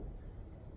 kita sedang berjuang